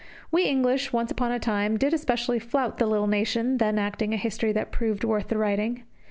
We English, once upon a time, did especially flout the little nation then acting a history that proved worth the writing.